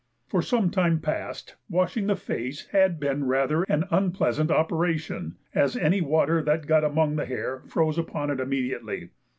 For some time past, washing the face had been rather an unpleasant operation, as any water that got among the hair froze upon it immediately.